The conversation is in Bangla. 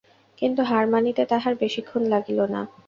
কিন্তু হার মানিতে তাহার বেশিক্ষণ লাগিল না।